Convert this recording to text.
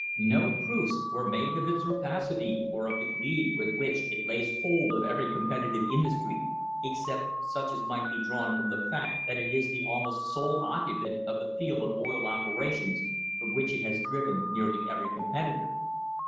No proofs were made of its rapacity or of the greed with which it lays hold of every competitive industry, except such as might be drawn from the fact that it is the almost sole occupant of the field of oil operations, from which it has driven nearly every competitor.